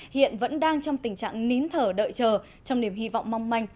hiện vẫn đang trong tình trạng nín thở đợi chờ trong niềm hy vọng mong manh